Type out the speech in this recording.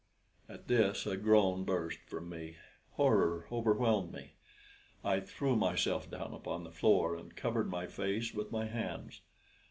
At this a groan burst from me. Horror overwhelmed me. I threw myself down upon the floor and covered my face with my hands.